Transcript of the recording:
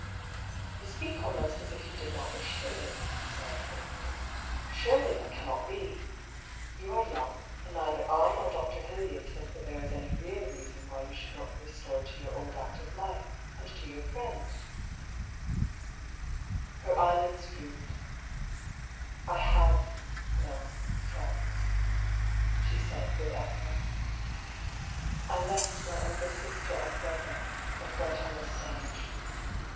" You speak almost as if you did not wish to live," he said gravely. "Surely that cannot be. You are young, and neither I nor Dr. Hildyard think that there is any real reason why you should not be restored to your old active life, and to your friends." 64 DR. PAULL'S THEORY. Her eyelids drooped. "I have — ^no — ^friends," she said, with effort. " I left my elder sister and brother, and went on the stage.